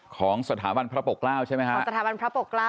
ของสถาบันพระปกเกล้าใช่ไหมฮะของสถาบันพระปกเกล้า